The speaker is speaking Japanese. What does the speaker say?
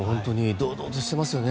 堂々としてますよね。